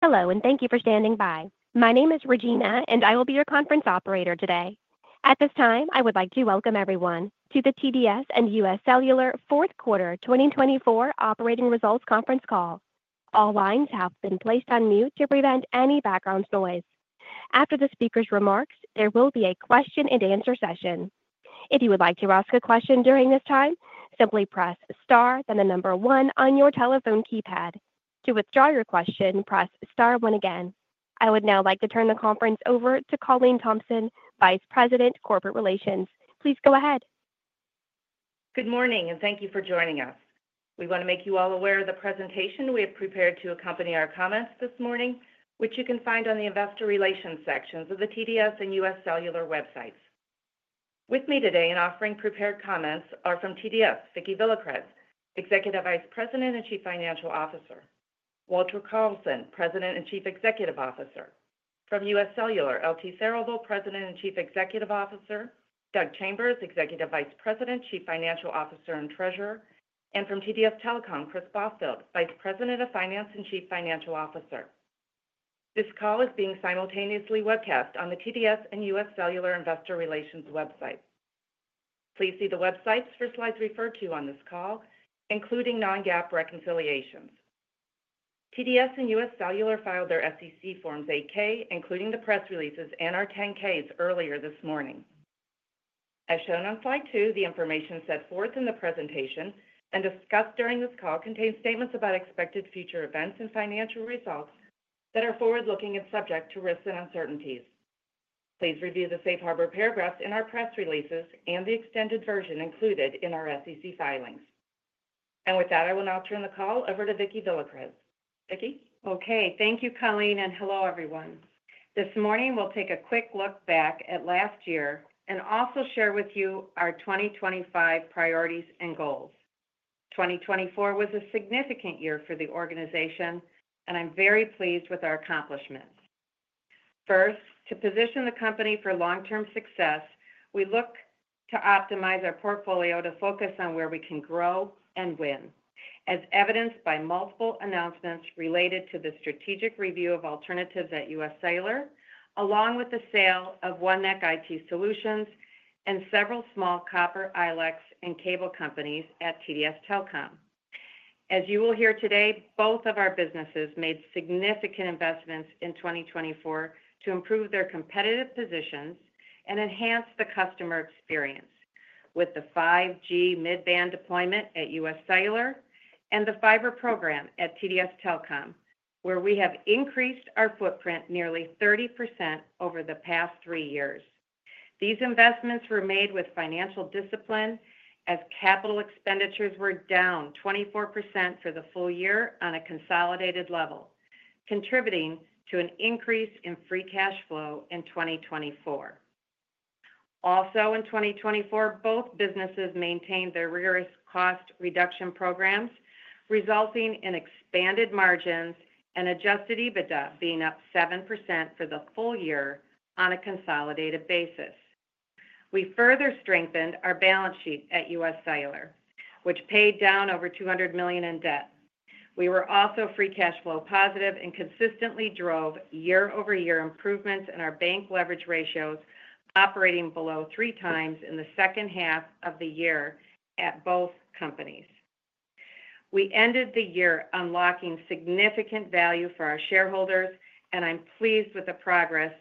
Hello, and thank you for standing by. My name is Regina, and I will be your conference operator today. At this time, I would like to welcome everyone to the TDS and UScellular Fourth Quarter 2024 Operating Results Conference Call. All lines have been placed on mute to prevent any background noise. After the speaker's remarks, there will be a question-and-answer session. If you would like to ask a question during this time, simply press star, then the number one on your telephone keypad. To withdraw your question, press star one again. I would now like to turn the conference over to Colleen Thompson, Vice President, Corporate Relations. Please go ahead. Good morning, and thank you for joining us. We want to make you all aware of the presentation we have prepared to accompany our comments this morning, which you can find on the Investor Relations sections of the TDS and UScellular websites. With me today in offering prepared comments are from TDS, Vicki Villacrez, Executive Vice President and Chief Financial Officer; Walter Carlson, President and Chief Executive Officer; from UScellular, L.T. Therivel, President and Chief Executive Officer; Doug Chambers, Executive Vice President, Chief Financial Officer and Treasurer; and from TDS Telecom, Chris Botfield, Vice President of Finance and Chief Financial Officer. This call is being simultaneously webcast on the TDS and UScellular Investor Relations websites. Please see the websites for slides referred to on this call, including non-GAAP reconciliations. TDS and UScellular filed their SEC Forms 8-K, including the press releases and our 10-Ks earlier this morning. As shown on slide two, the information set forth in the presentation and discussed during this call contains statements about expected future events and financial results that are forward-looking and subject to risks and uncertainties. Please review the safe harbor paragraphs in our press releases and the extended version included in our SEC filings. And with that, I will now turn the call over to Vicki Villacrez. Vicki. Okay. Thank you, Colleen, and hello, everyone. This morning, we'll take a quick look back at last year and also share with you our 2025 priorities and goals. 2024 was a significant year for the organization, and I'm very pleased with our accomplishments. First, to position the company for long-term success, we look to optimize our portfolio to focus on where we can grow and win, as evidenced by multiple announcements related to the strategic review of alternatives at UScellular, along with the sale of OneNeck IT Solutions and several small copper ILECs and cable companies at TDS Telecom. As you will hear today, both of our businesses made significant investments in 2024 to improve their competitive positions and enhance the customer experience with the 5G mid-band deployment at UScellular and the fiber program at TDS Telecom, where we have increased our footprint nearly 30% over the past three years. These investments were made with financial discipline as capital expenditures were down 24% for the full year on a consolidated level, contributing to an increase in free cash flow in 2024. Also, in 2024, both businesses maintained their rigorous cost reduction programs, resulting in expanded margins and Adjusted EBITDA being up 7% for the full year on a consolidated basis. We further strengthened our balance sheet at UScellular, which paid down over $200 million in debt. We were also free cash flow positive and consistently drove year-over-year improvements in our bank leverage ratios, operating below three times in the second half of the year at both companies. We ended the year unlocking significant value for our shareholders, and I'm pleased with the progress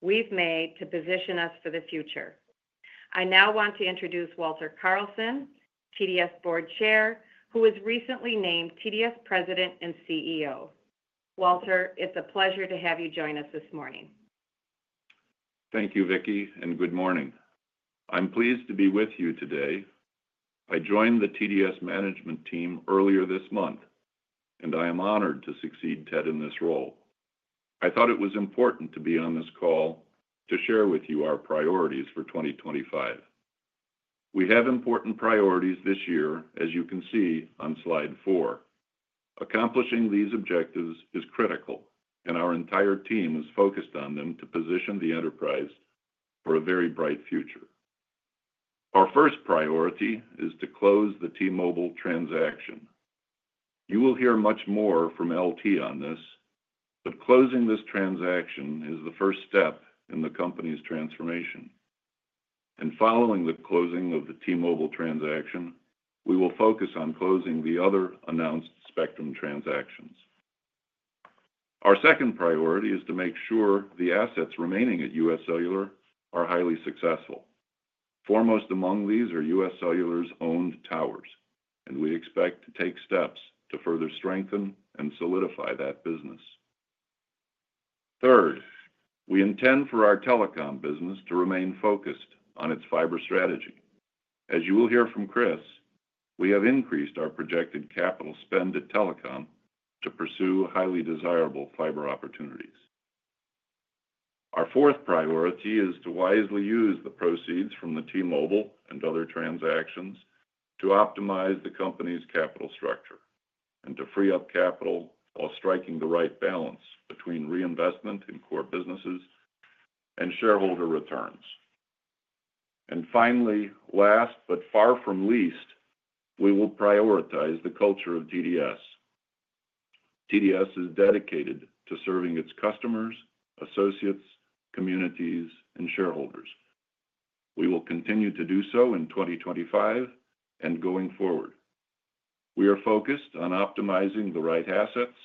we've made to position us for the future. I now want to introduce Walter Carlson, TDS Board Chair, who was recently named TDS President and CEO. Walter, it's a pleasure to have you join us this morning. Thank you, Vicki, and good morning. I'm pleased to be with you today. I joined the TDS management team earlier this month, and I am honored to succeed Ted in this role. I thought it was important to be on this call to share with you our priorities for 2025. We have important priorities this year, as you can see on slide four. Accomplishing these objectives is critical, and our entire team is focused on them to position the enterprise for a very bright future. Our first priority is to close the T-Mobile transaction. You will hear much more from L.T. on this, but closing this transaction is the first step in the company's transformation, and following the closing of the T-Mobile transaction, we will focus on closing the other announced spectrum transactions. Our second priority is to make sure the assets remaining at UScellular are highly successful. Foremost among these are UScellular's owned towers, and we expect to take steps to further strengthen and solidify that business. Third, we intend for our telecom business to remain focused on its fiber strategy. As you will hear from Chris, we have increased our projected capital spend at telecom to pursue highly desirable fiber opportunities. Our fourth priority is to wisely use the proceeds from the T-Mobile and other transactions to optimize the company's capital structure and to free up capital while striking the right balance between reinvestment in core businesses and shareholder returns. And finally, last but far from least, we will prioritize the culture of TDS. TDS is dedicated to serving its customers, associates, communities, and shareholders. We will continue to do so in 2025 and going forward. We are focused on optimizing the right assets,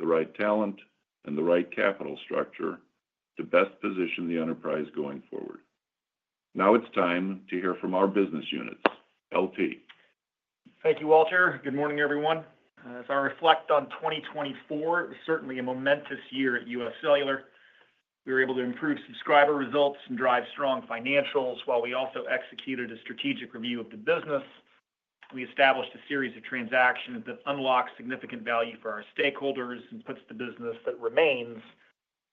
the right talent, and the right capital structure to best position the enterprise going forward. Now it's time to hear from our business units, L.T. Thank you, Walter. Good morning, everyone. As I reflect on 2024, it was certainly a momentous year at UScellular. We were able to improve subscriber results and drive strong financials while we also executed a strategic review of the business. We established a series of transactions that unlock significant value for our stakeholders and puts the business that remains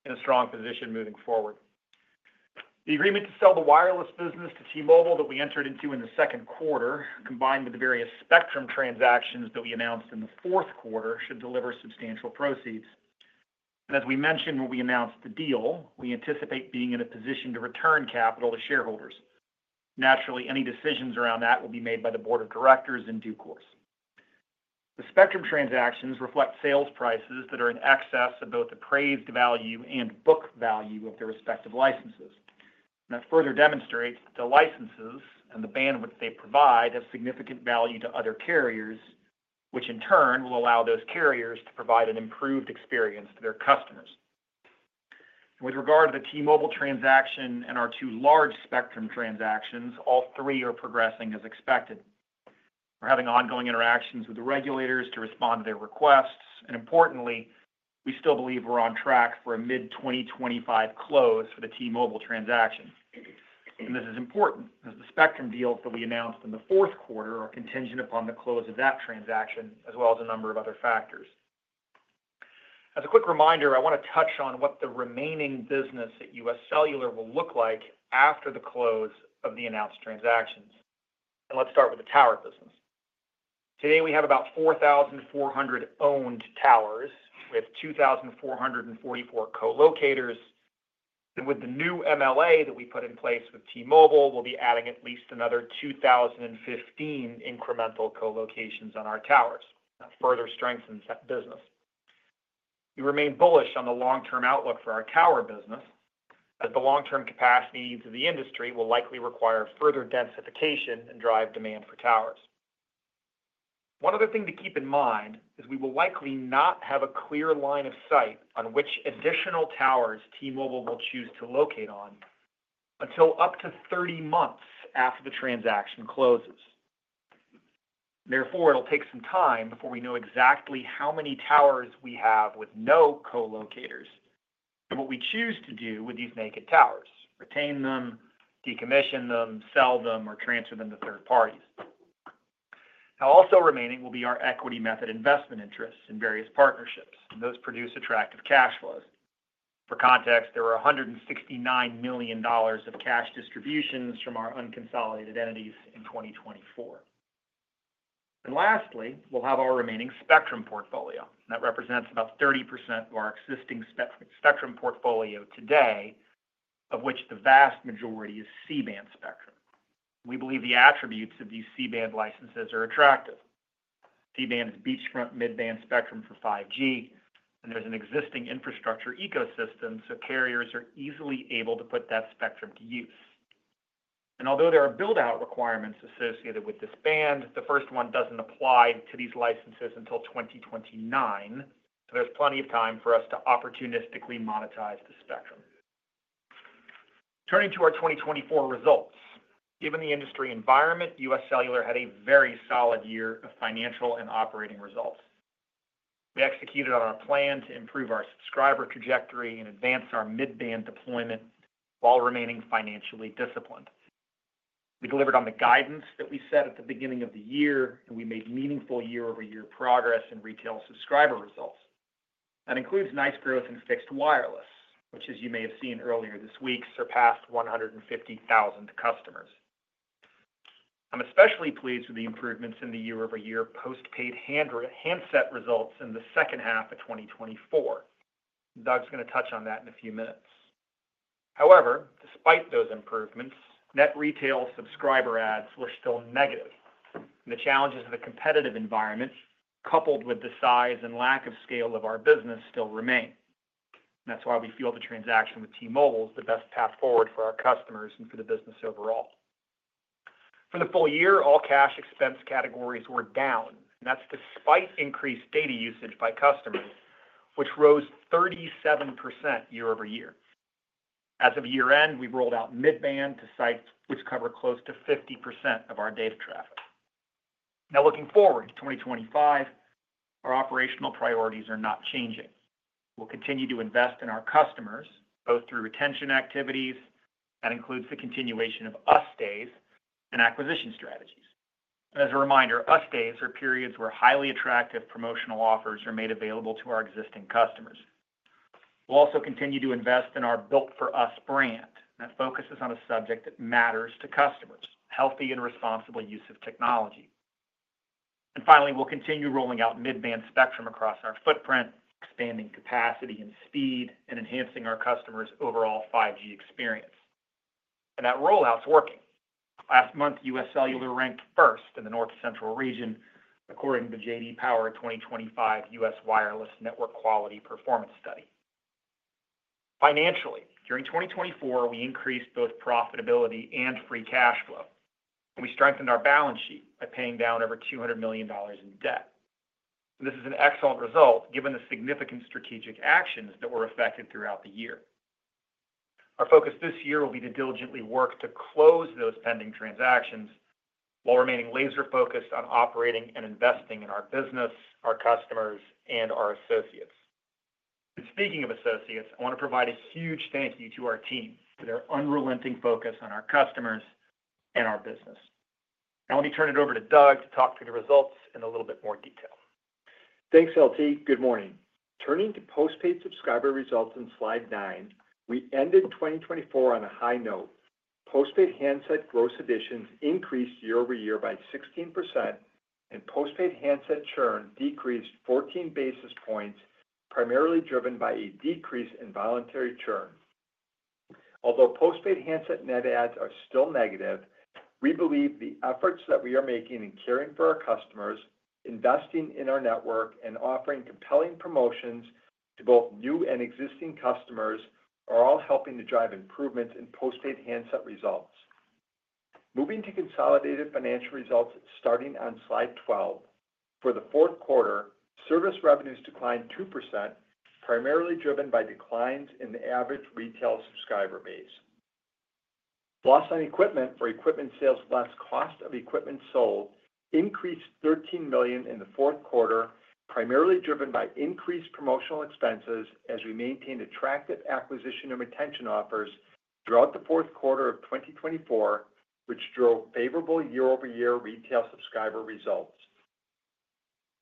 in a strong position moving forward. The agreement to sell the wireless business to T-Mobile that we entered into in the second quarter, combined with the various spectrum transactions that we announced in the fourth quarter, should deliver substantial proceeds, and as we mentioned when we announced the deal, we anticipate being in a position to return capital to shareholders. Naturally, any decisions around that will be made by the board of directors in due course. The spectrum transactions reflect sales prices that are in excess of both appraised value and book value of their respective licenses. And that further demonstrates that the licenses and the bandwidth they provide have significant value to other carriers, which in turn will allow those carriers to provide an improved experience to their customers. With regard to the T-Mobile transaction and our two large spectrum transactions, all three are progressing as expected. We're having ongoing interactions with the regulators to respond to their requests. And importantly, we still believe we're on track for a mid-2025 close for the T-Mobile transaction. And this is important as the spectrum deals that we announced in the fourth quarter are contingent upon the close of that transaction, as well as a number of other factors. As a quick reminder, I want to touch on what the remaining business at UScellular will look like after the close of the announced transactions. And let's start with the tower business. Today, we have about 4,400 owned towers with 2,444 co-locators. And with the new MLA that we put in place with T-Mobile, we'll be adding at least another 2,015 incremental co-locations on our towers, which further strengthens that business. We remain bullish on the long-term outlook for our tower business, as the long-term capacity needs of the industry will likely require further densification and drive demand for towers. One other thing to keep in mind is we will likely not have a clear line of sight on which additional towers T-Mobile will choose to locate on until up to 30 months after the transaction closes. Therefore, it'll take some time before we know exactly how many towers we have with no co-locators and what we choose to do with these naked towers: retain them, decommission them, sell them, or transfer them to third parties. Now, also remaining will be our equity method investment interests in various partnerships, and those produce attractive cash flows. For context, there were $169 million of cash distributions from our unconsolidated entities in 2024, and lastly, we'll have our remaining spectrum portfolio. That represents about 30% of our existing spectrum portfolio today, of which the vast majority is C-band spectrum. We believe the attributes of these C-band licenses are attractive. C-band is beachfront mid-band spectrum for 5G, and there's an existing infrastructure ecosystem, so carriers are easily able to put that spectrum to use. Although there are build-out requirements associated with this band, the first one doesn't apply to these licenses until 2029, so there's plenty of time for us to opportunistically monetize the spectrum. Turning to our 2024 results, given the industry environment, UScellular had a very solid year of financial and operating results. We executed on our plan to improve our subscriber trajectory and advance our mid-band deployment while remaining financially disciplined. We delivered on the guidance that we set at the beginning of the year, and we made meaningful year-over-year progress in retail subscriber results. That includes nice growth in fixed wireless, which, as you may have seen earlier this week, surpassed 150,000 customers. I'm especially pleased with the improvements in the year-over-year postpaid handset results in the second half of 2024. Doug's going to touch on that in a few minutes. However, despite those improvements, net retail subscriber adds were still negative, and the challenges of the competitive environment, coupled with the size and lack of scale of our business, still remain. That's why we feel the transaction with T-Mobile is the best path forward for our customers and for the business overall. For the full year, all cash expense categories were down, and that's despite increased data usage by customers, which rose 37% year-over-year. As of year-end, we rolled out mid-band to sites which cover close to 50% of our data traffic. Now, looking forward to 2025, our operational priorities are not changing. We'll continue to invest in our customers, both through retention activities, that includes the continuation of US Days, and acquisition strategies, and as a reminder, US Days are periods where highly attractive promotional offers are made available to our existing customers. We'll also continue to invest in our Built for US brand, and that focuses on a subject that matters to customers: healthy and responsible use of technology. Finally, we'll continue rolling out mid-band spectrum across our footprint, expanding capacity and speed, and enhancing our customers' overall 5G experience. That rollout's working. Last month, UScellular ranked first in the North Central region, according to J.D. Power 2025 US Wireless Network Quality Performance Study. Financially, during 2024, we increased both profitability and free cash flow, and we strengthened our balance sheet by paying down over $200 million in debt. This is an excellent result, given the significant strategic actions that were effected throughout the year. Our focus this year will be to diligently work to close those pending transactions while remaining laser-focused on operating and investing in our business, our customers, and our associates. And speaking of associates, I want to provide a huge thank you to our team for their unrelenting focus on our customers and our business. Now, let me turn it over to Doug to talk through the results in a little bit more detail. Thanks, L.T. Good morning. Turning to postpaid subscriber results in slide nine, we ended 2024 on a high note. Postpaid handset gross additions increased year-over-year by 16%, and postpaid handset churn decreased 14 basis points, primarily driven by a decrease in voluntary churn. Although postpaid handset net adds are still negative, we believe the efforts that we are making in caring for our customers, investing in our network, and offering compelling promotions to both new and existing customers are all helping to drive improvements in postpaid handset results. Moving to consolidated financial results starting on slide 12, for the fourth quarter, service revenues declined 2%, primarily driven by declines in the average retail subscriber base. Loss on equipment for equipment sales less cost of equipment sold increased $13 million in the fourth quarter, primarily driven by increased promotional expenses as we maintained attractive acquisition and retention offers throughout the fourth quarter of 2024, which drove favorable year-over-year retail subscriber results.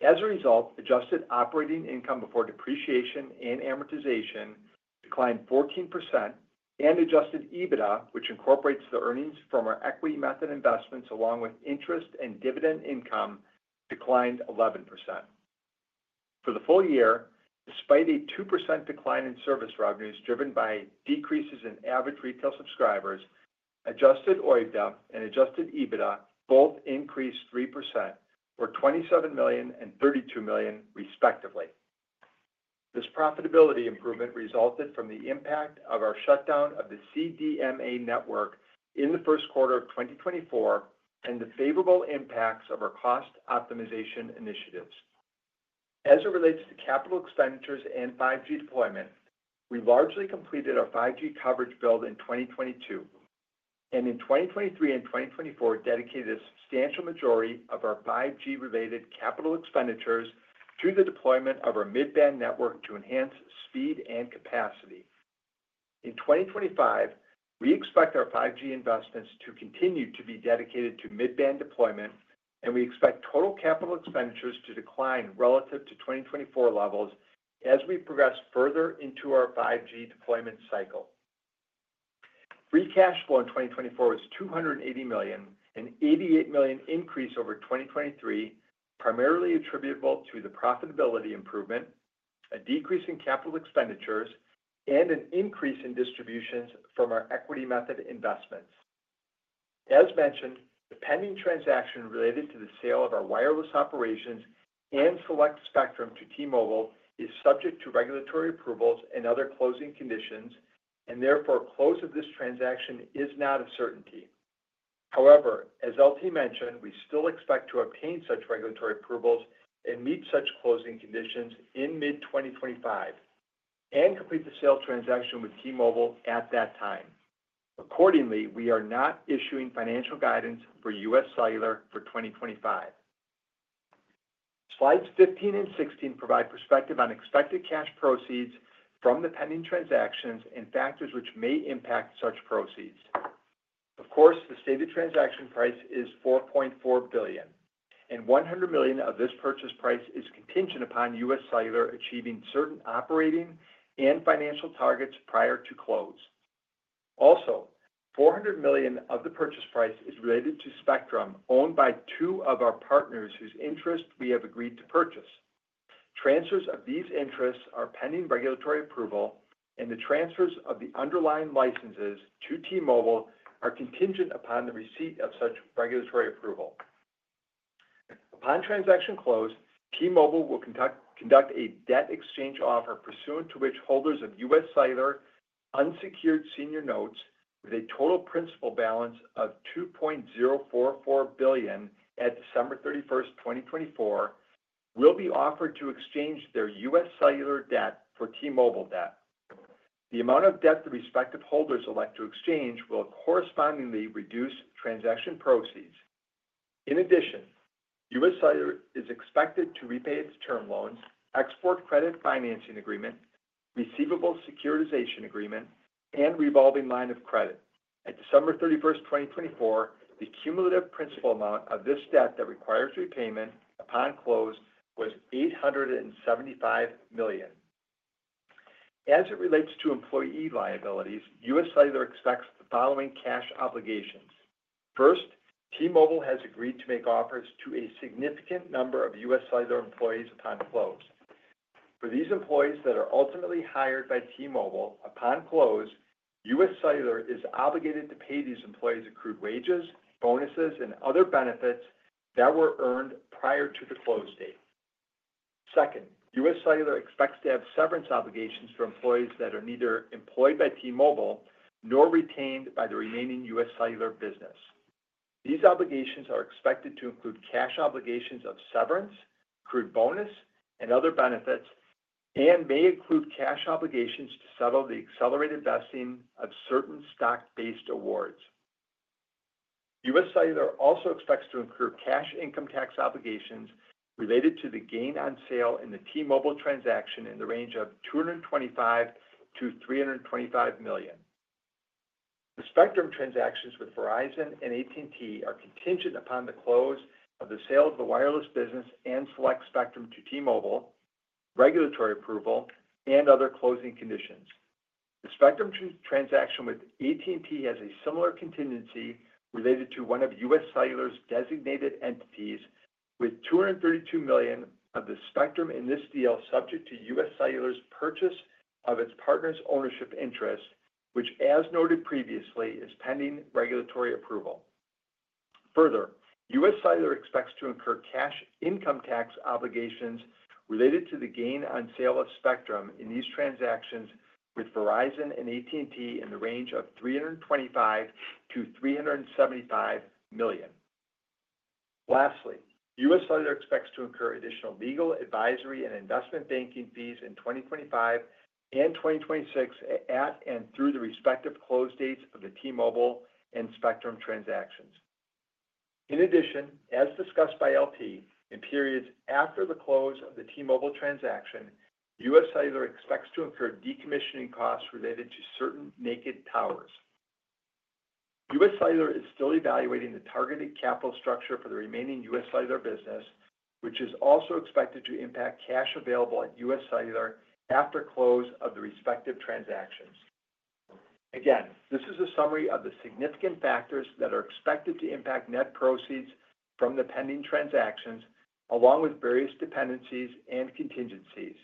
As a result, adjusted operating income before depreciation and amortization declined 14%, and Adjusted EBITDA, which incorporates the earnings from our equity method investments along with interest and dividend income, declined 11%. For the full year, despite a 2% decline in service revenues driven by decreases in average retail subscribers, Adjusted OIBDA and Adjusted EBITDA both increased 3%, or $27 million and $32 million, respectively. This profitability improvement resulted from the impact of our shutdown of the CDMA network in the first quarter of 2024 and the favorable impacts of our cost optimization initiatives. As it relates to capital expenditures and 5G deployment, we largely completed our 5G coverage build in 2022, and in 2023 and 2024, dedicated a substantial majority of our 5G-related capital expenditures to the deployment of our mid-band network to enhance speed and capacity. In 2025, we expect our 5G investments to continue to be dedicated to mid-band deployment, and we expect total capital expenditures to decline relative to 2024 levels as we progress further into our 5G deployment cycle. Free cash flow in 2024 was $280 million, an $88 million increase over 2023, primarily attributable to the profitability improvement, a decrease in capital expenditures, and an increase in distributions from our equity method investments. As mentioned, the pending transaction related to the sale of our wireless operations and select spectrum to T-Mobile is subject to regulatory approvals and other closing conditions, and therefore, close of this transaction is not a certainty. However, as L.T. mentioned, we still expect to obtain such regulatory approvals and meet such closing conditions in mid-2025 and complete the sale transaction with T-Mobile at that time. Accordingly, we are not issuing financial guidance for UScellular for 2025. Slides 15 and 16 provide perspective on expected cash proceeds from the pending transactions and factors which may impact such proceeds. Of course, the stated transaction price is $4.4 billion, and $100 million of this purchase price is contingent upon UScellular achieving certain operating and financial targets prior to close. Also, $400 million of the purchase price is related to spectrum owned by two of our partners whose interest we have agreed to purchase. Transfers of these interests are pending regulatory approval, and the transfers of the underlying licenses to T-Mobile are contingent upon the receipt of such regulatory approval. Upon transaction close, T-Mobile will conduct a debt exchange offer pursuant to which holders of UScellular unsecured senior notes with a total principal balance of $2.044 billion at December 31, 2024, will be offered to exchange their UScellular debt for T-Mobile debt. The amount of debt the respective holders elect to exchange will correspondingly reduce transaction proceeds. In addition, UScellular is expected to repay its term loans, export credit financing agreement, receivable securitization agreement, and revolving line of credit. At December 31, 2024, the cumulative principal amount of this debt that requires repayment upon close was $875 million. As it relates to employee liabilities, UScellular expects the following cash obligations. First, T-Mobile has agreed to make offers to a significant number of UScellular employees upon close. For these employees that are ultimately hired by T-Mobile upon close, UScellular is obligated to pay these employees accrued wages, bonuses, and other benefits that were earned prior to the close date. Second, UScellular expects to have severance obligations for employees that are neither employed by T-Mobile nor retained by the remaining UScellular business. These obligations are expected to include cash obligations of severance, accrued bonus, and other benefits, and may include cash obligations to settle the accelerated vesting of certain stock-based awards. UScellular also expects to incur cash income tax obligations related to the gain on sale in the T-Mobile transaction in the range of $225 million-$325 million. The spectrum transactions with Verizon and AT&T are contingent upon the close of the sale of the wireless business and select spectrum to T-Mobile, regulatory approval, and other closing conditions. The spectrum transaction with AT&T has a similar contingency related to one of UScellular's designated entities with $232 million of the spectrum in this deal subject to UScellular's purchase of its partner's ownership interest, which, as noted previously, is pending regulatory approval. Further, UScellular expects to incur cash income tax obligations related to the gain on sale of spectrum in these transactions with Verizon and AT&T in the range of $325 million-$375 million. Lastly, UScellular expects to incur additional legal, advisory, and investment banking fees in 2025 and 2026 at and through the respective close dates of the T-Mobile and spectrum transactions. In addition, as discussed by L.T., in periods after the close of the T-Mobile transaction, UScellular expects to incur decommissioning costs related to certain naked towers. UScellular is still evaluating the targeted capital structure for the remaining UScellular business, which is also expected to impact cash available at UScellular after close of the respective transactions. Again, this is a summary of the significant factors that are expected to impact net proceeds from the pending transactions, along with various dependencies and contingencies.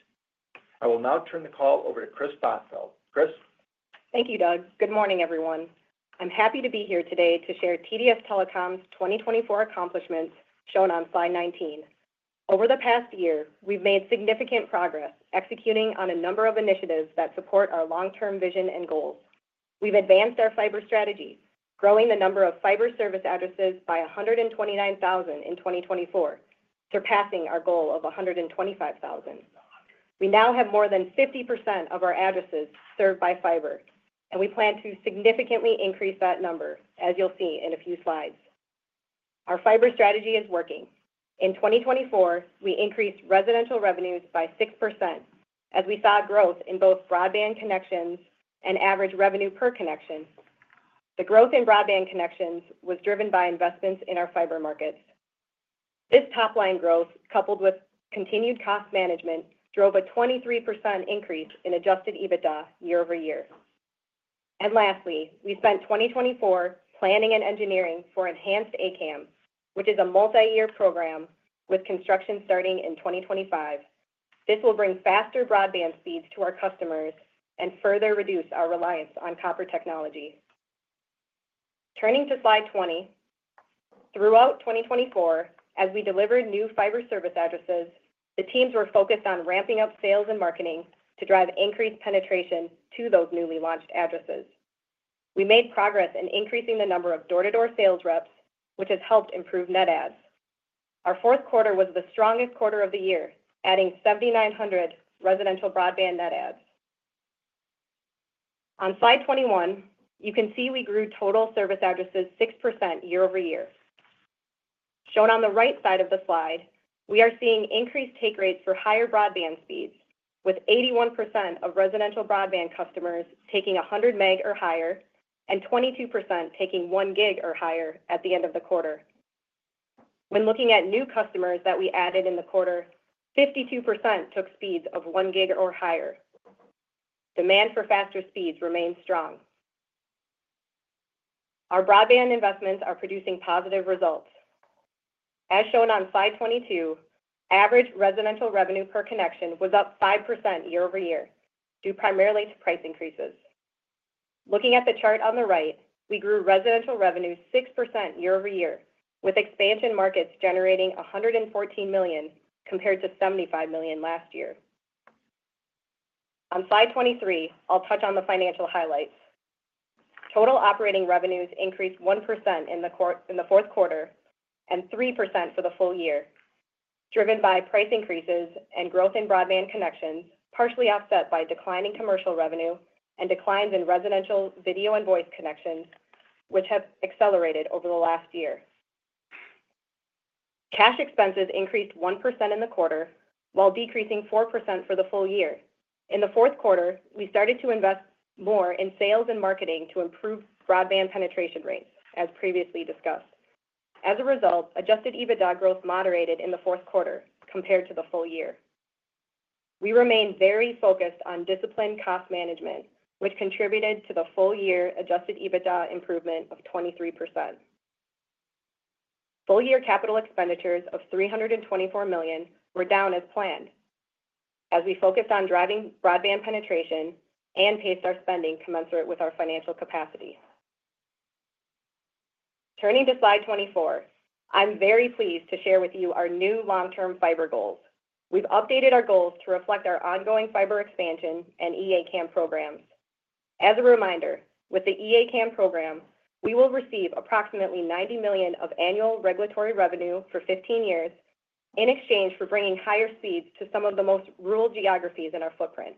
I will now turn the call over to Chris Botfield. Chris. Thank you, Doug. Good morning, everyone. I'm happy to be here today to share TDS Telecom's 2024 accomplishments shown on slide 19. Over the past year, we've made significant progress executing on a number of initiatives that support our long-term vision and goals. We've advanced our fiber strategy, growing the number of fiber service addresses by 129,000 in 2024, surpassing our goal of 125,000. We now have more than 50% of our addresses served by fiber, and we plan to significantly increase that number, as you'll see in a few slides. Our fiber strategy is working. In 2024, we increased residential revenues by 6%, as we saw growth in both broadband connections and average revenue per connection. The growth in broadband connections was driven by investments in our fiber markets. This top-line growth, coupled with continued cost management, drove a 23% increase in Adjusted EBITDA year-over-year. Lastly, we spent 2024 planning and engineering for Enhanced A-CAM, which is a multi-year program with construction starting in 2025. This will bring faster broadband speeds to our customers and further reduce our reliance on copper technology. Turning to slide 20, throughout 2024, as we delivered new fiber service addresses, the teams were focused on ramping up sales and marketing to drive increased penetration to those newly launched addresses. We made progress in increasing the number of door-to-door sales reps, which has helped improve net adds. Our fourth quarter was the strongest quarter of the year, adding 7,900 residential broadband net adds. On slide 21, you can see we grew total service addresses 6% year-over-year. Shown on the right side of the slide, we are seeing increased take rates for higher broadband speeds, with 81% of residential broadband customers taking 100 meg or higher and 22% taking 1 gig or higher at the end of the quarter. When looking at new customers that we added in the quarter, 52% took speeds of 1 gig or higher. Demand for faster speeds remains strong. Our broadband investments are producing positive results. As shown on slide 22, average residential revenue per connection was up 5% year-over-year due primarily to price increases. Looking at the chart on the right, we grew residential revenue 6% year-over-year, with expansion markets generating $114 million compared to $75 million last year. On slide 23, I'll touch on the financial highlights. Total operating revenues increased 1% in the fourth quarter and 3% for the full year, driven by price increases and growth in broadband connections, partially offset by declining commercial revenue and declines in residential video and voice connections, which have accelerated over the last year. Cash expenses increased 1% in the quarter while decreasing 4% for the full year. In the fourth quarter, we started to invest more in sales and marketing to improve broadband penetration rates, as previously discussed. As a result, Adjusted EBITDA growth moderated in the fourth quarter compared to the full year. We remained very focused on disciplined cost management, which contributed to the full-year Adjusted EBITDA improvement of 23%. Full-year capital expenditures of $324 million were down as planned as we focused on driving broadband penetration and paced our spending commensurate with our financial capacity. Turning to slide 24, I'm very pleased to share with you our new long-term fiber goals. We've updated our goals to reflect our ongoing fiber expansion and Enhanced A-CAM programs. As a reminder, with the Enhanced A-CAM program, we will receive approximately $90 million of annual regulatory revenue for 15 years in exchange for bringing higher speeds to some of the most rural geographies in our footprint.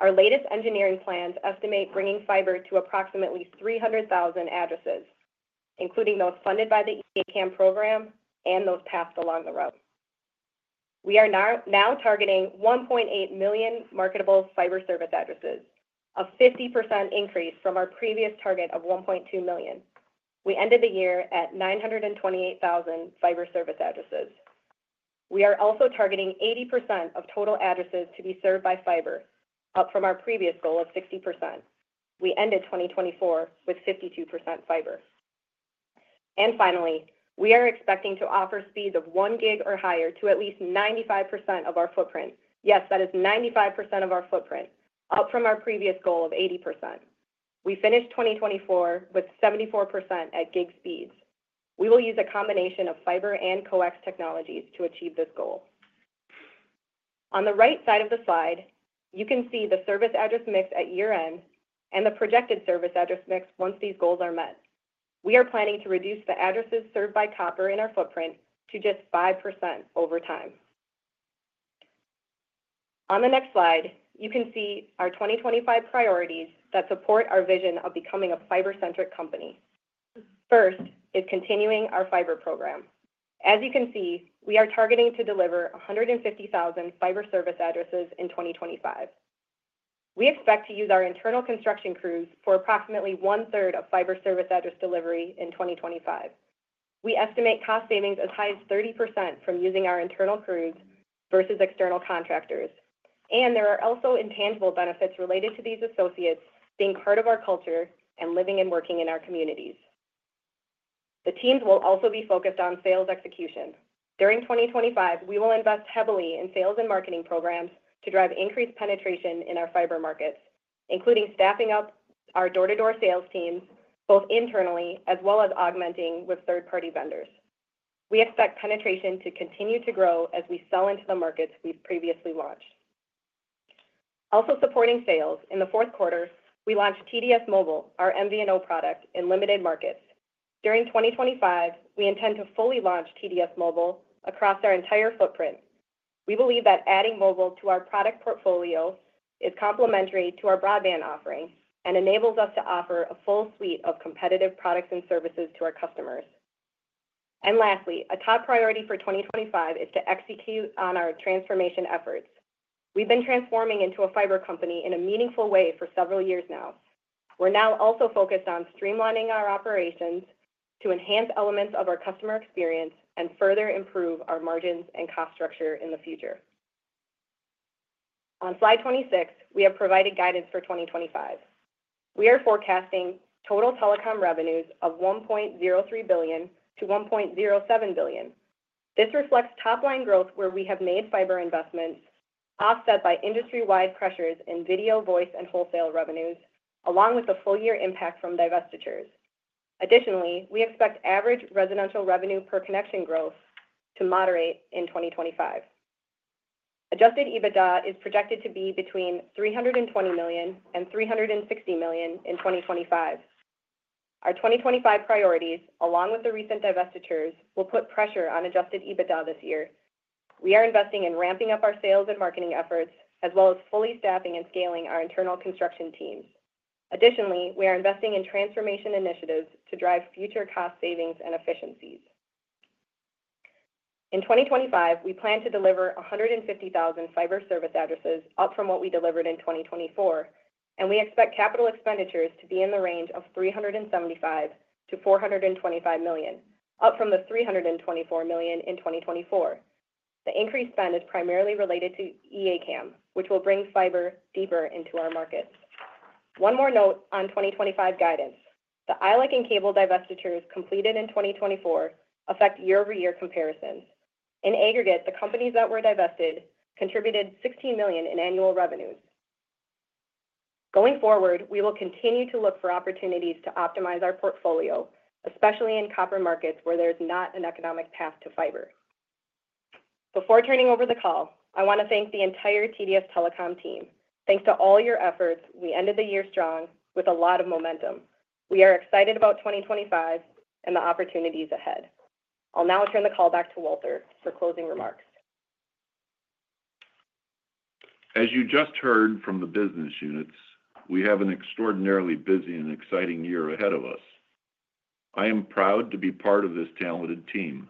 Our latest engineering plans estimate bringing fiber to approximately 300,000 addresses, including those funded by the Enhanced A-CAM program and those passed along the route. We are now targeting 1.8 million marketable fiber service addresses, a 50% increase from our previous target of 1.2 million. We ended the year at 928,000 fiber service addresses. We are also targeting 80% of total addresses to be served by fiber, up from our previous goal of 60%. We ended 2024 with 52% fiber. Finally, we are expecting to offer speeds of one gig or higher to at least 95% of our footprint. Yes, that is 95% of our footprint, up from our previous goal of 80%. We finished 2024 with 74% at gig speeds. We will use a combination of fiber and coax technologies to achieve this goal. On the right side of the slide, you can see the service address mix at year-end and the projected service address mix once these goals are met. We are planning to reduce the addresses served by copper in our footprint to just 5% over time. On the next slide, you can see our 2025 priorities that support our vision of becoming a fiber-centric company. First is continuing our fiber program. As you can see, we are targeting to deliver 150,000 fiber service addresses in 2025. We expect to use our internal construction crews for approximately one-third of fiber service address delivery in 2025. We estimate cost savings as high as 30% from using our internal crews versus external contractors. And there are also intangible benefits related to these associates being part of our culture and living and working in our communities. The teams will also be focused on sales execution. During 2025, we will invest heavily in sales and marketing programs to drive increased penetration in our fiber markets, including staffing up our door-to-door sales teams both internally as well as augmenting with third-party vendors. We expect penetration to continue to grow as we sell into the markets we've previously launched. Also supporting sales in the fourth quarter, we launched TDS Mobile, our MVNO product in limited markets. During 2025, we intend to fully launch TDS Mobile across our entire footprint. We believe that adding Mobile to our product portfolio is complementary to our broadband offering and enables us to offer a full suite of competitive products and services to our customers, and lastly, a top priority for 2025 is to execute on our transformation efforts. We've been transforming into a fiber company in a meaningful way for several years now. We're now also focused on streamlining our operations to enhance elements of our customer experience and further improve our margins and cost structure in the future. On slide 26, we have provided guidance for 2025. We are forecasting total telecom revenues of $1.03 billion-$1.07 billion. This reflects top-line growth where we have made fiber investments, offset by industry-wide pressures in video, voice, and wholesale revenues, along with the full-year impact from divestitures. Additionally, we expect average residential revenue per connection growth to moderate in 2025. Adjusted EBITDA is projected to be between $320 million and $360 million in 2025. Our 2025 priorities, along with the recent divestitures, will put pressure on adjusted EBITDA this year. We are investing in ramping up our sales and marketing efforts, as well as fully staffing and scaling our internal construction teams. Additionally, we are investing in transformation initiatives to drive future cost savings and efficiencies. In 2025, we plan to deliver 150,000 fiber service addresses up from what we delivered in 2024, and we expect capital expenditures to be in the range of $375-$425 million, up from the $324 million in 2024. The increased spend is primarily related to E-ACAM, which will bring fiber deeper into our markets. One more note on 2025 guidance. The ILEC and cable divestitures completed in 2024 affect year-over-year comparisons. In aggregate, the companies that were divested contributed $16 million in annual revenues. Going forward, we will continue to look for opportunities to optimize our portfolio, especially in copper markets where there is not an economic path to fiber. Before turning over the call, I want to thank the entire TDS Telecom team. Thanks to all your efforts, we ended the year strong with a lot of momentum. We are excited about 2025 and the opportunities ahead. I'll now turn the call back to Walter for closing remarks. As you just heard from the business units, we have an extraordinarily busy and exciting year ahead of us. I am proud to be part of this talented team.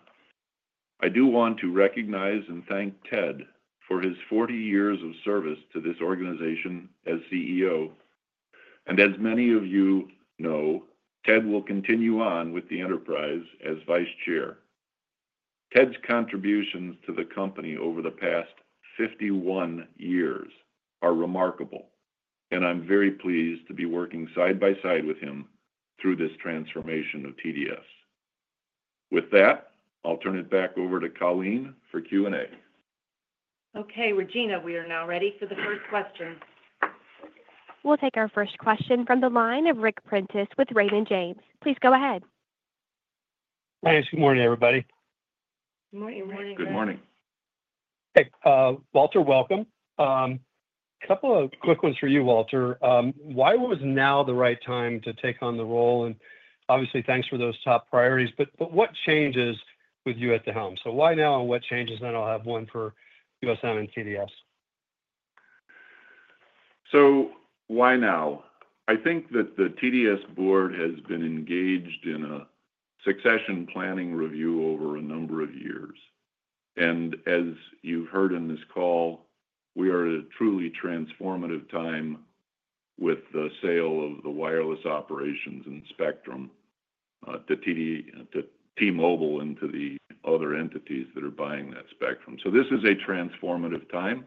I do want to recognize and thank Ted for his 40 years of service to this organization as CEO. And as many of you know, Ted will continue on with the enterprise as vice chair. Ted's contributions to the company over the past 51 years are remarkable, and I'm very pleased to be working side by side with him through this transformation of TDS. With that, I'll turn it back over to Colleen for Q&A. Okay, Regina, we are now ready for the first question. We'll take our first question from the line of Ric Prentiss with Raymond James. Please go ahead. Hi, good morning, everybody. Good morning. Good morning. Hey, Walter, welcome. A couple of quick ones for you, Walter. Why was now the right time to take on the role? And obviously, thanks for those top priorities, but what changes with you at the helm? So why now, and what changes? And I'll have one for USM and TDS. So why now? I think that the TDS board has been engaged in a succession planning review over a number of years. And as you've heard in this call, we are at a truly transformative time with the sale of the wireless operations and spectrum to T-Mobile and to the other entities that are buying that spectrum. So this is a transformative time.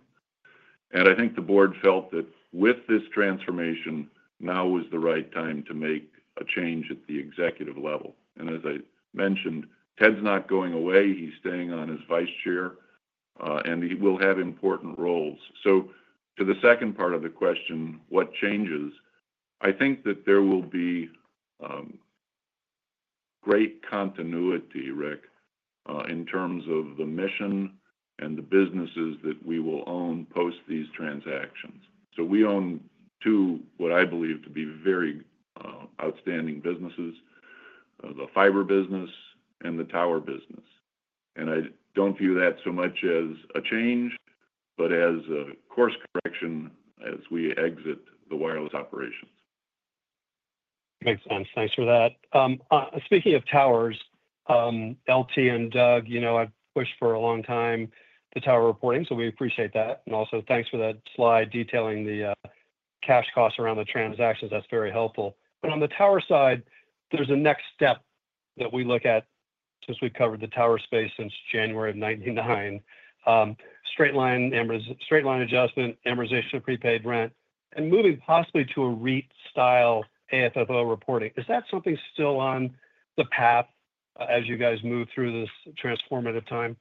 And I think the board felt that with this transformation, now was the right time to make a change at the executive level. And as I mentioned, Ted's not going away. He's staying on as Vice Chair, and he will have important roles. So to the second part of the question, what changes? I think that there will be great continuity, Rick, in terms of the mission and the businesses that we will own post these transactions. So we own two, what I believe, to be very outstanding businesses: the fiber business and the tower business. And I don't view that so much as a change, but as a course correction as we exit the wireless operations. Makes sense. Thanks for that. Speaking of towers, L.T. and Doug, you know I've pushed for a long time the tower reporting, so we appreciate that, and also, thanks for that slide detailing the cash costs around the transactions. That's very helpful, but on the tower side, there's a next step that we look at since we've covered the tower space since January of 1999: straight line adjustment, amortization of prepaid rent, and moving possibly to a REIT-style AFFO reporting. Is that something still on the path as you guys move through this transformative time?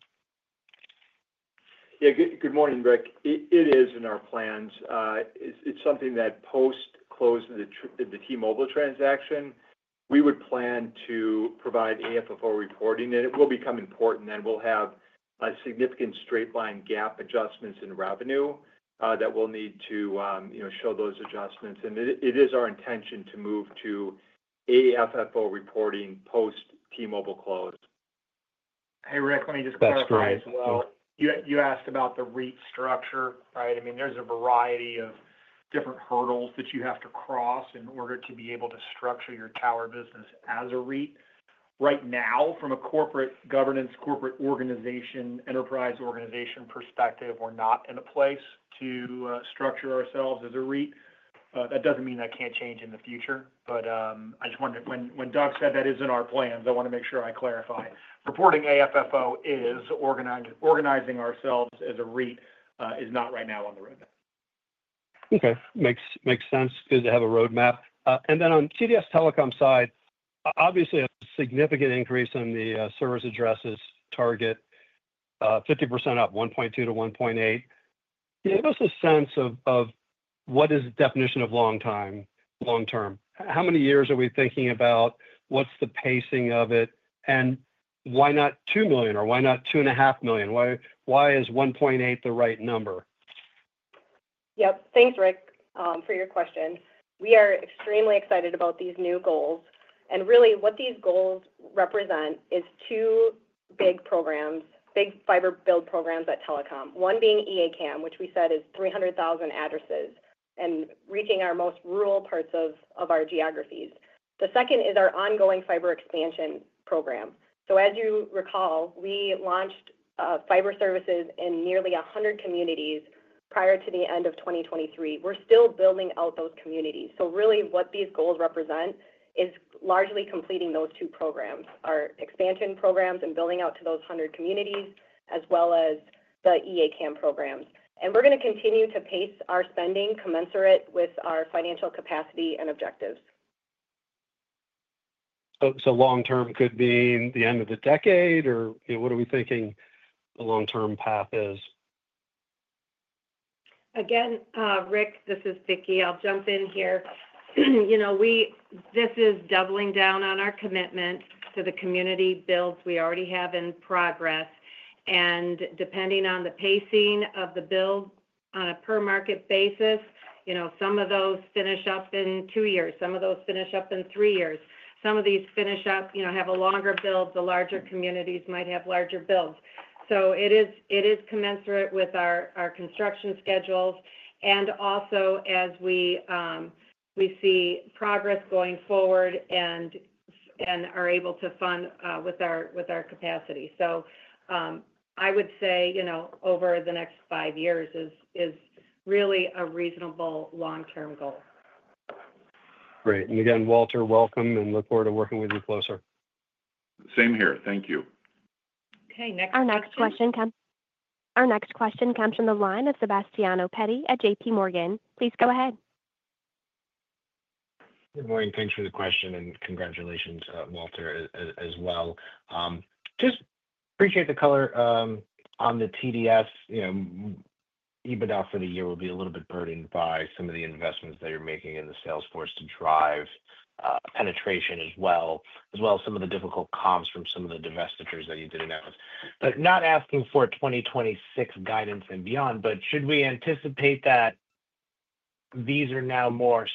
Yeah, good morning, Ric. It is in our plans. It's something that post-closing the T-Mobile transaction, we would plan to provide AFFO reporting, and it will become important. And we'll have a significant straight line GAAP adjustments in revenue that we'll need to show those adjustments. And it is our intention to move to AFFO reporting post-T-Mobile close. Hey, Ric, let me just clarify as well. You asked about the REIT structure, right? I mean, there's a variety of different hurdles that you have to cross in order to be able to structure your tower business as a REIT. Right now, from a corporate governance, corporate organization, enterprise organization perspective, we're not in a place to structure ourselves as a REIT. That doesn't mean that can't change in the future. But I just wanted to, when Doug said that is in our plans, I want to make sure I clarify. Reporting AFFO is organizing ourselves as a REIT is not right now on the roadmap. Okay. Makes sense. Good to have a roadmap. And then on TDS Telecom side, obviously, a significant increase in the service addresses target, 50% up, 1.2 to 1.8. Give us a sense of what is the definition of long term. How many years are we thinking about? What's the pacing of it? And why not two million? Or why not 2.5 million? Why is 1.8 the right number? Yep. Thanks, Ric, for your question. We are extremely excited about these new goals. And really, what these goals represent is two big programs, big fiber build programs at telecom. One being Enhanced A-CAM, which we said is 300,000 addresses and reaching our most rural parts of our geographies. The second is our ongoing fiber expansion program. So as you recall, we launched fiber services in nearly 100 communities prior to the end of 2023. We're still building out those communities. So really, what these goals represent is largely completing those two programs: our expansion programs and building out to those 100 communities, as well as the Enhanced A-CAM programs. And we're going to continue to pace our spending commensurate with our financial capacity and objectives. So long-term could be the end of the decade? Or what are we thinking the long-term path is? Again, Ric, this is Vicki. I'll jump in here. This is doubling down on our commitment to the community builds we already have in progress, and depending on the pacing of the build on a per-market basis, some of those finish up in two years. Some of those finish up in three years. Some of these finish up, have a longer build. The larger communities might have larger builds, so it is commensurate with our construction schedules, and also, as we see progress going forward and are able to fund with our capacity, so I would say over the next five years is really a reasonable long-term goal. Great, and again, Walter, welcome, and look forward to working with you closer. Same here. Thank you. Okay. Next question. Our next question comes from the line of Sebastiano Petti at JPMorgan. Please go ahead. Good morning. Thanks for the question and congratulations, Walter, as well. Just appreciate the color on the TDS EBITDA for the year will be a little bit burdened by some of the investments that you're making in the sales force to drive penetration as well, as well as some of the difficult comps from some of the divestitures that you did announce, but not asking for 2026 guidance and beyond, but should we anticipate that these are now more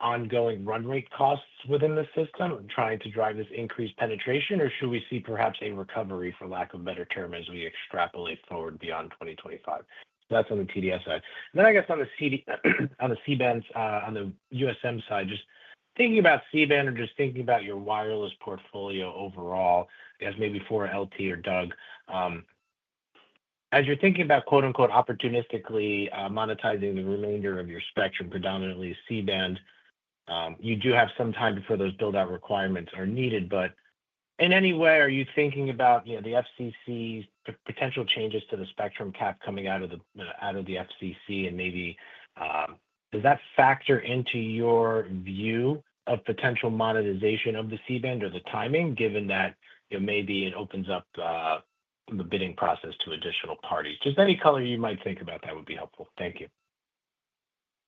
ongoing run rate costs within the system and trying to drive this increased penetration? Or should we see perhaps a recovery, for lack of a better term, as we extrapolate forward beyond 2025? That's on the TDS side and then I guess on the C-band, on the UScellular side, just thinking about C-band or just thinking about your wireless portfolio overall, as maybe for L.T. Or Doug, as you're thinking about "opportunistically" monetizing the remainder of your spectrum, predominantly C-band, you do have some time before those build-out requirements are needed. But in any way, are you thinking about the FCC's potential changes to the spectrum cap coming out of the FCC? And maybe does that factor into your view of potential monetization of the C-band or the timing, given that maybe it opens up the bidding process to additional parties? Just any color you might think about that would be helpful. Thank you.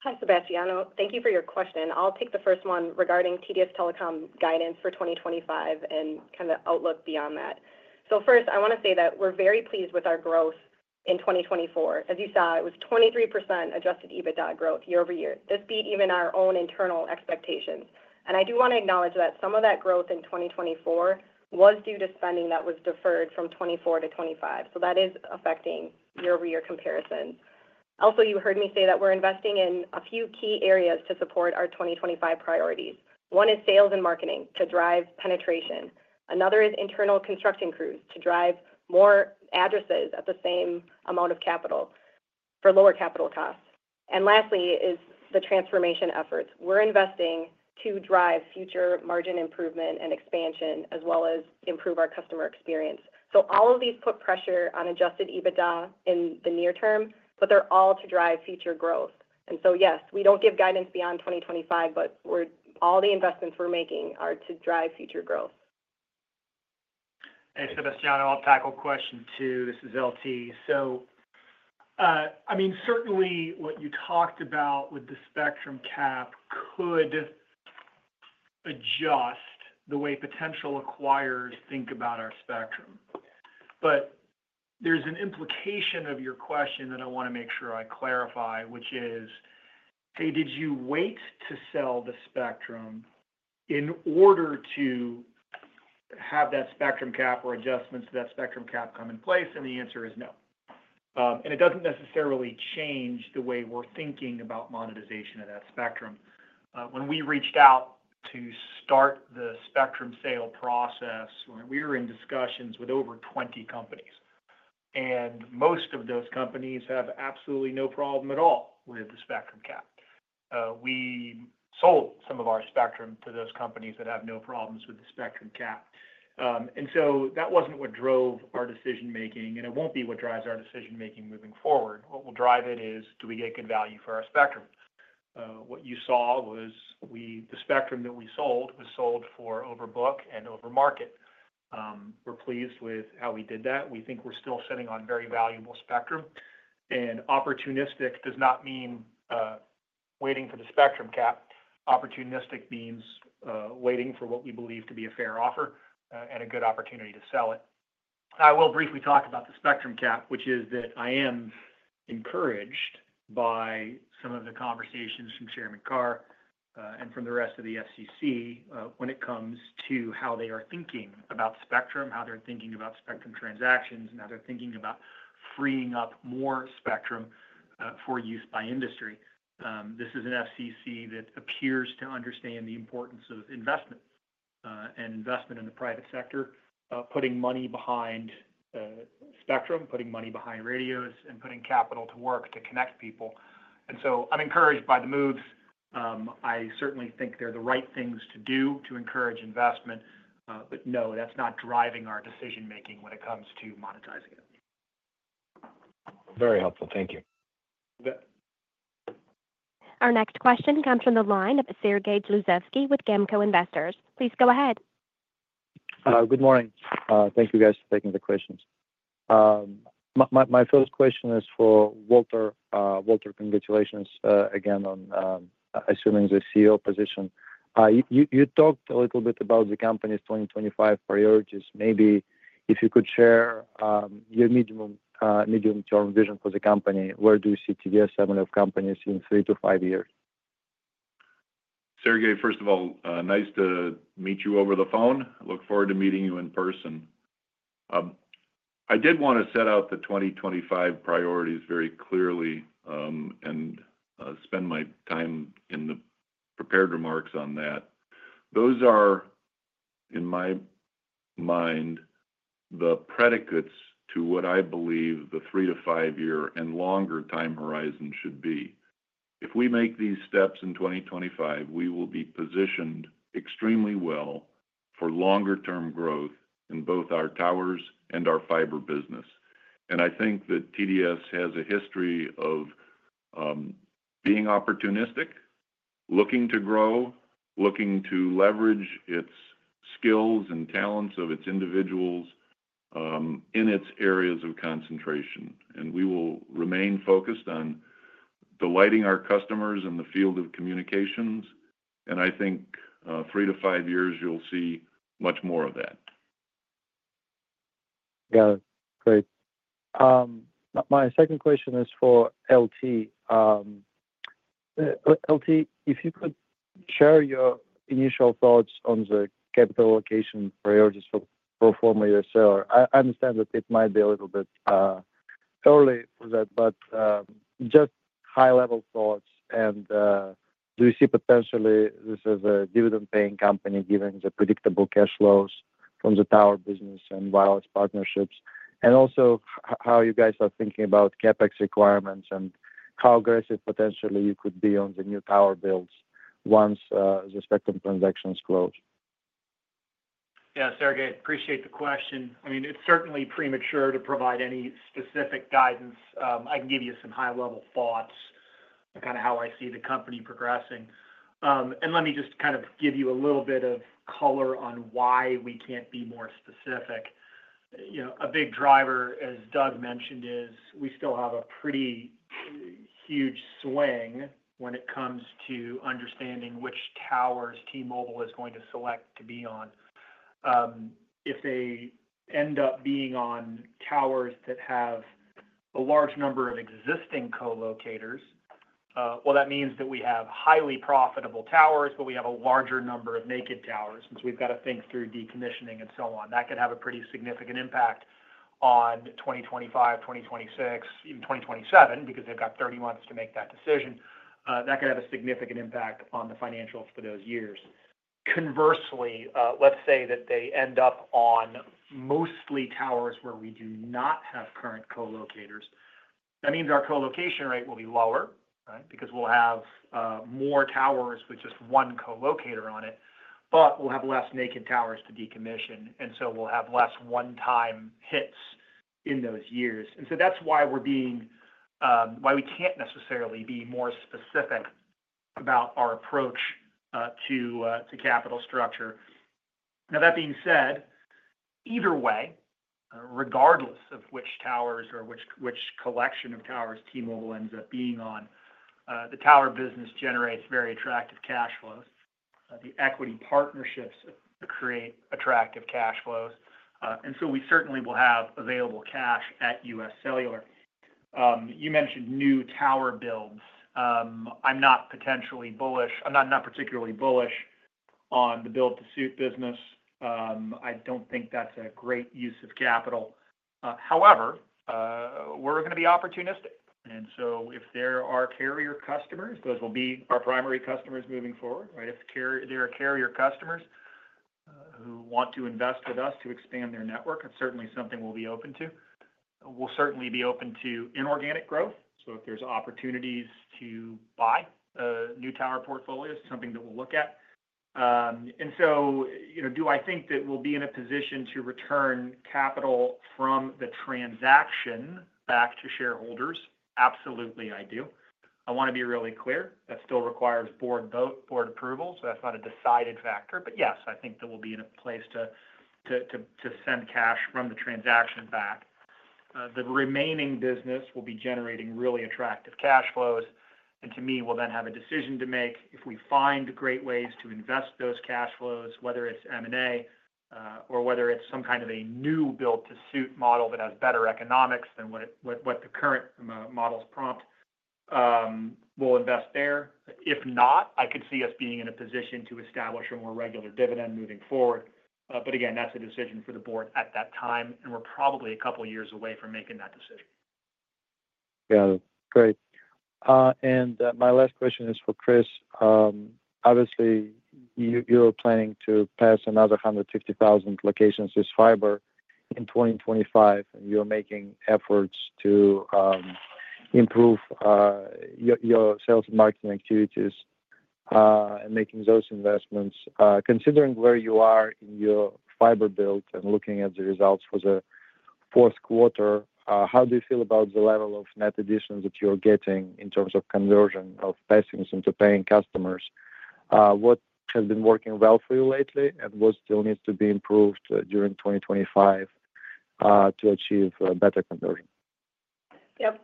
Hi, Sebastiano. Thank you for your question. I'll take the first one regarding TDS Telecom guidance for 2025 and kind of outlook beyond that. So first, I want to say that we're very pleased with our growth in 2024. As you saw, it was 23% Adjusted EBITDA growth year-over-year. This beat even our own internal expectations. And I do want to acknowledge that some of that growth in 2024 was due to spending that was deferred from 2024 to 2025. So that is affecting year-over-year comparisons. Also, you heard me say that we're investing in a few key areas to support our 2025 priorities. One is sales and marketing to drive penetration. Another is internal construction crews to drive more addresses at the same amount of capital for lower capital costs. And lastly is the transformation efforts. We're investing to drive future margin improvement and expansion, as well as improve our customer experience. So all of these put pressure on Adjusted EBITDA in the near term, but they're all to drive future growth. And so, yes, we don't give guidance beyond 2025, but all the investments we're making are to drive future growth. Hey, Sebastiano, I'll tackle question two. This is L.T. So I mean, certainly what you talked about with the spectrum cap could adjust the way potential acquirers think about our spectrum. But there's an implication of your question that I want to make sure I clarify, which is, hey, did you wait to sell the spectrum in order to have that spectrum cap or adjustments to that spectrum cap come in place? And the answer is no. And it doesn't necessarily change the way we're thinking about monetization of that spectrum. When we reached out to start the spectrum sale process, we were in discussions with over 20 companies. And most of those companies have absolutely no problem at all with the spectrum cap. We sold some of our spectrum to those companies that have no problems with the spectrum cap. And so that wasn't what drove our decision-making. And it won't be what drives our decision-making moving forward. What will drive it is, do we get good value for our spectrum? What you saw was the spectrum that we sold was sold for above book and above market. We're pleased with how we did that. We think we're still sitting on very valuable spectrum. And opportunistic does not mean waiting for the spectrum cap. Opportunistic means waiting for what we believe to be a fair offer and a good opportunity to sell it. I will briefly talk about the spectrum cap, which is that I am encouraged by some of the conversations from Chairman Carr and from the rest of the FCC when it comes to how they are thinking about spectrum, how they're thinking about spectrum transactions, and how they're thinking about freeing up more spectrum for use by industry. This is an FCC that appears to understand the importance of investment and investment in the private sector, putting money behind spectrum, putting money behind radios, and putting capital to work to connect people. And so I'm encouraged by the moves. I certainly think they're the right things to do to encourage investment. But no, that's not driving our decision-making when it comes to monetizing it. Very helpful. Thank you. Our next question comes from the line of Sergey Dluzhevskiy with GAMCO Investors. Please go ahead. Good morning. Thank you, guys, for taking the questions. My first question is for Walter. Walter, congratulations again on assuming the CEO position. You talked a little bit about the company's 2025 priorities. Maybe if you could share your medium-term vision for the company, where do you see TDS and other companies in three to five years? Sergey, first of all, nice to meet you over the phone. Look forward to meeting you in person. I did want to set out the 2025 priorities very clearly and spend my time in the prepared remarks on that. Those are, in my mind, the predicates to what I believe the three to five-year and longer time horizon should be. If we make these steps in 2025, we will be positioned extremely well for longer-term growth in both our towers and our fiber business. I think that TDS has a history of being opportunistic, looking to grow, looking to leverage its skills and talents of its individuals in its areas of concentration. We will remain focused on delighting our customers in the field of communications. I think three to five years, you'll see much more of that. Yeah. Great. My second question is for L.T. L.T., if you could share your initial thoughts on the capital allocation priorities for former UScellular. I understand that it might be a little bit early for that, but just high-level thoughts. And do you see potentially this as a dividend-paying company given the predictable cash flows from the tower business and wireless partnerships? And also how you guys are thinking about CapEx requirements and how aggressive potentially you could be on the new tower builds once the spectrum transactions close? Yeah. Sergey, appreciate the question. I mean, it's certainly premature to provide any specific guidance. I can give you some high-level thoughts on kind of how I see the company progressing, and let me just kind of give you a little bit of color on why we can't be more specific. A big driver, as Doug mentioned, is we still have a pretty huge swing when it comes to understanding which towers T-Mobile is going to select to be on. If they end up being on towers that have a large number of existing co-locators, well, that means that we have highly profitable towers, but we have a larger number of naked towers, and so we've got to think through decommissioning and so on. That could have a pretty significant impact on 2025, 2026, even 2027, because they've got 30 months to make that decision. That could have a significant impact on the financials for those years. Conversely, let's say that they end up on mostly towers where we do not have current co-locators. That means our co-location rate will be lower, right, because we'll have more towers with just one co-locator on it, but we'll have less naked towers to decommission. And so we'll have less one-time hits in those years. And so that's why we're being, why we can't necessarily be more specific about our approach to capital structure. Now, that being said, either way, regardless of which towers or which collection of towers T-Mobile ends up being on, the tower business generates very attractive cash flows. The equity partnerships create attractive cash flows. And so we certainly will have available cash at UScellular. You mentioned new tower builds. I'm not particularly bullish on the build-to-suit business. I don't think that's a great use of capital. However, we're going to be opportunistic, and so if there are carrier customers, those will be our primary customers moving forward, right? If they're carrier customers who want to invest with us to expand their network, that's certainly something we'll be open to. We'll certainly be open to inorganic growth, so if there's opportunities to buy new tower portfolios, something that we'll look at. And so do I think that we'll be in a position to return capital from the transaction back to shareholders? Absolutely, I do. I want to be really clear. That still requires board vote, board approval, so that's not a decided factor. But yes, I think that we'll be in a place to send cash from the transaction back. The remaining business will be generating really attractive cash flows. And to me, we'll then have a decision to make if we find great ways to invest those cash flows, whether it's M&A or whether it's some kind of a new build-to-suit model that has better economics than what the current models prompt. We'll invest there. If not, I could see us being in a position to establish a more regular dividend moving forward. But again, that's a decision for the board at that time. And we're probably a couple of years away from making that decision. Yeah. Great. And my last question is for Chris. Obviously, you're planning to pass another 150,000 locations as fiber in 2025. And you're making efforts to improve your sales and marketing activities and making those investments. Considering where you are in your fiber build and looking at the results for the fourth quarter, how do you feel about the level of net additions that you're getting in terms of conversion of passings into paying customers? What has been working well for you lately and what still needs to be improved during 2025 to achieve better conversion? Yep.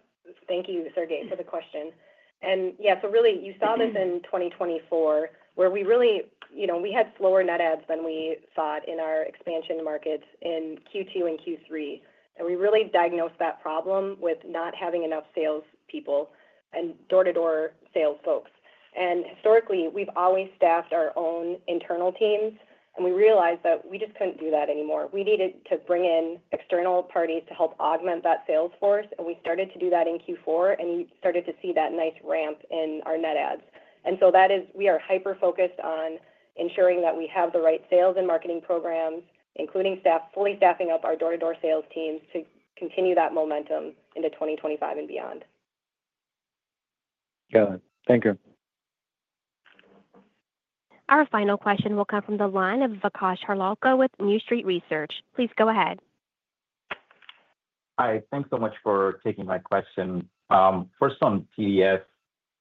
Thank you, Sergey, for the question. And yeah, so really, you saw this in 2024, where we really had slower net adds than we thought in our expansion markets in Q2 and Q3, and we really diagnosed that problem with not having enough salespeople and door-to-door sales folks. And historically, we've always staffed our own internal teams, and we realized that we just couldn't do that anymore. We needed to bring in external parties to help augment that sales force, and we started to do that in Q4, and you started to see that nice ramp in our net adds. And so we are hyper-focused on ensuring that we have the right sales and marketing programs, including fully staffing up our door-to-door sales teams to continue that momentum into 2025 and beyond. Yeah. Thank you. Our final question will come from the line of Vikash Harlalka with New Street Research. Please go ahead. Hi. Thanks so much for taking my question. First on TDS,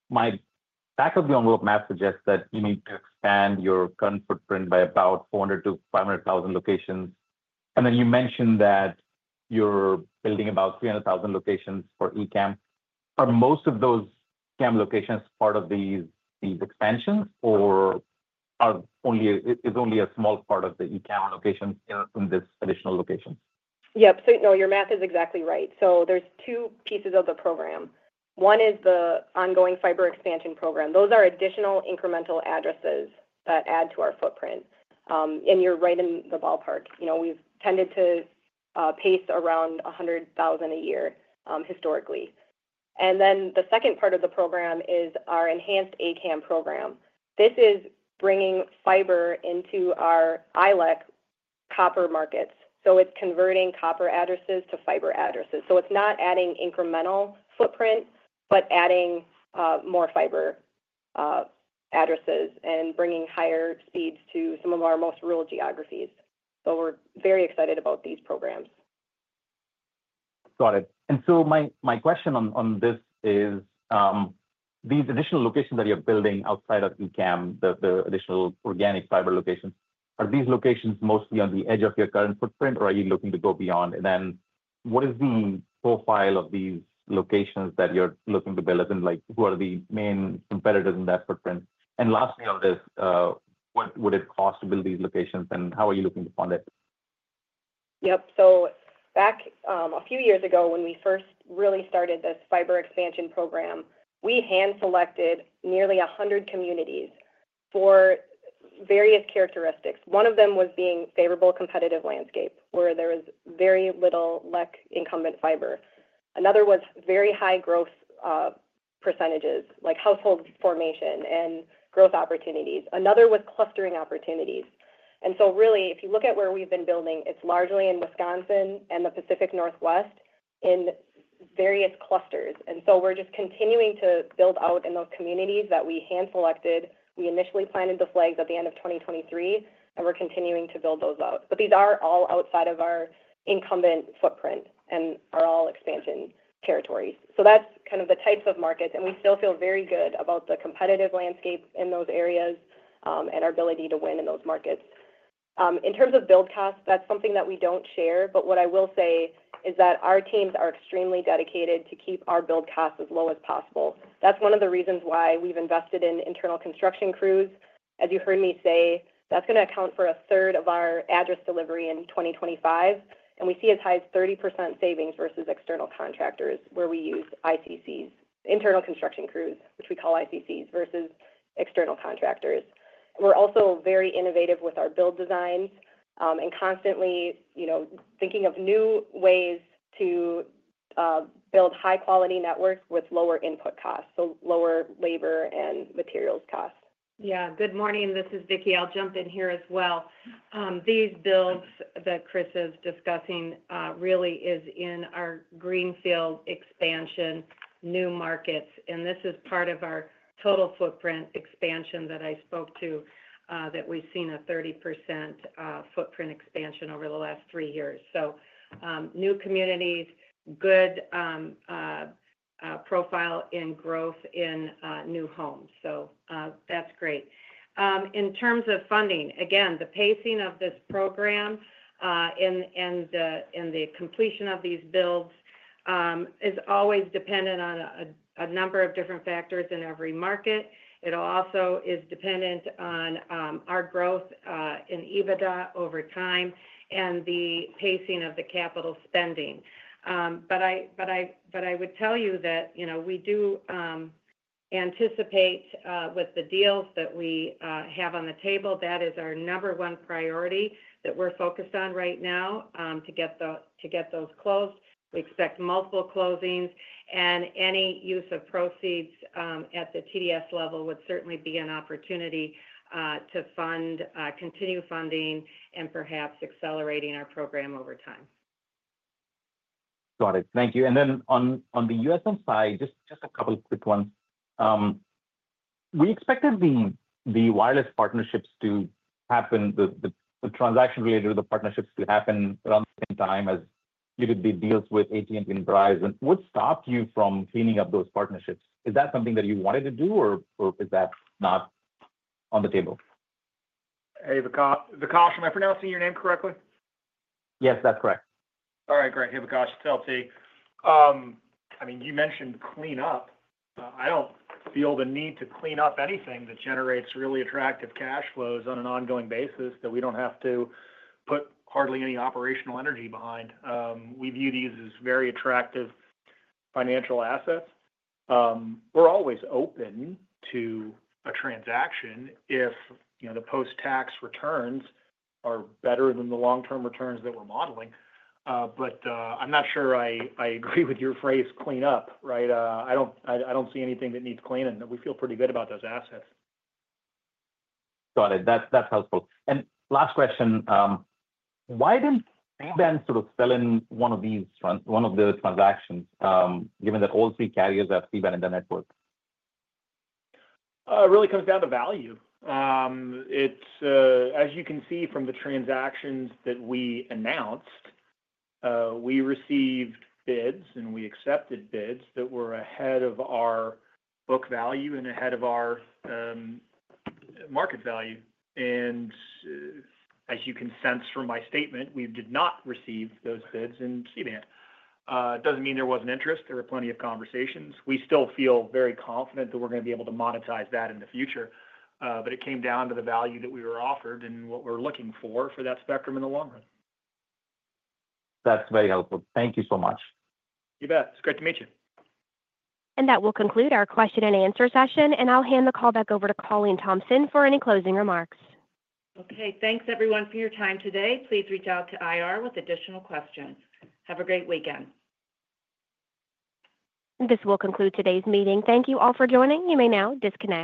my back-of-the-envelope map suggests that you need to expand your current footprint by about 400,000-500,000 locations. And then you mentioned that you're building about 300,000 locations for Enhanced A-CAM. Are most of those A-CAM locations part of these expansions, or is only a small part of the Enhanced A-CAM locations in these additional locations? Yep. So no, your math is exactly right. So there's two pieces of the program. One is the ongoing fiber expansion program. Those are additional incremental addresses that add to our footprint. And you're right in the ballpark. We've tended to pace around 100,000 a year historically. And then the second part of the program is our Enhanced A-CAM program. This is bringing fiber into our ILEC copper markets. So it's converting copper addresses to fiber addresses. So it's not adding incremental footprint, but adding more fiber addresses and bringing higher speeds to some of our most rural geographies. So we're very excited about these programs. Got it. And so my question on this is, these additional locations that you're building outside of A-CAM, the additional organic fiber locations, are these locations mostly on the edge of your current footprint, or are you looking to go beyond? And then what is the profile of these locations that you're looking to build? And who are the main competitors in that footprint? And lastly on this, what would it cost to build these locations, and how are you looking to fund it? Yep. So back a few years ago, when we first really started this fiber expansion program, we hand-selected nearly 100 communities for various characteristics. One of them was being favorable competitive landscape, where there was very little LEC incumbent fiber. Another was very high growth percentages, like household formation and growth opportunities. Another was clustering opportunities. And so really, if you look at where we've been building, it's largely in Wisconsin and the Pacific Northwest in various clusters. And so we're just continuing to build out in those communities that we hand-selected. We initially planted the flags at the end of 2023, and we're continuing to build those out. But these are all outside of our incumbent footprint and are all expansion territories. So that's kind of the types of markets. And we still feel very good about the competitive landscape in those areas and our ability to win in those markets. In terms of build costs, that's something that we don't share. But what I will say is that our teams are extremely dedicated to keep our build costs as low as possible. That's one of the reasons why we've invested in internal construction crews. As you heard me say, that's going to account for a third of our address delivery in 2025. And we see as high as 30% savings versus external contractors where we use ICCs, internal construction crews, which we call ICCs, versus external contractors. We're also very innovative with our build designs and constantly thinking of new ways to build high-quality networks with lower input costs, so lower labor and materials costs. Yeah. Good morning. This is Vicki. I'll jump in here as well. These builds that Chris is discussing really are in our greenfield expansion, new markets, and this is part of our total footprint expansion that I spoke to that we've seen a 30% footprint expansion over the last three years. New communities, good profile in growth in new homes. That's great. In terms of funding, again, the pacing of this program and the completion of these builds is always dependent on a number of different factors in every market. It also is dependent on our growth in EBITDA over time and the pacing of the capital spending. I would tell you that we do anticipate with the deals that we have on the table. That is our number one priority that we're focused on right now to get those closed. We expect multiple closings. Any use of proceeds at the TDS level would certainly be an opportunity to continue funding and perhaps accelerating our program over time. Got it. Thank you. And then on the USM side, just a couple of quick ones. We expected the wireless partnerships to happen, the transaction related to the partnerships to happen around the same time as the deals with AT&T and Verizon. What stopped you from cleaning up those partnerships? Is that something that you wanted to do, or is that not on the table? Hey, Vikash, am I pronouncing your name correctly? Yes, that's correct. All right. Great. Hey, Vikash, it's L.T. I mean, you mentioned clean up. I don't feel the need to clean up anything that generates really attractive cash flows on an ongoing basis that we don't have to put hardly any operational energy behind. We view these as very attractive financial assets. We're always open to a transaction if the post-tax returns are better than the long-term returns that we're modeling. But I'm not sure I agree with your phrase, clean up, right? I don't see anything that needs cleaning. We feel pretty good about those assets. Got it. That's helpful. And last question. Why didn't CBAN sort of sell in one of these transactions, given that all three carriers have CBAN in the network? It really comes down to value. As you can see from the transactions that we announced, we received bids, and we accepted bids that were ahead of our book value and ahead of our market value. And as you can sense from my statement, we did not receive those bids in C-band. It doesn't mean there wasn't interest. There were plenty of conversations. We still feel very confident that we're going to be able to monetize that in the future. But it came down to the value that we were offered and what we're looking for for that spectrum in the long run. That's very helpful. Thank you so much. You bet. It's great to meet you. That will conclude our question and answer session. I'll hand the call back over to Colleen Thompson for any closing remarks. Okay. Thanks, everyone, for your time today. Please reach out to IR with additional questions. Have a great weekend. This will conclude today's meeting. Thank you all for joining. You may now disconnect.